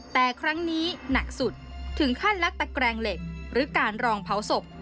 แต่ครั้งนี้หนักสุดถึงขั้นลักตะแกรงเหล็กหรือการรองเผาศพ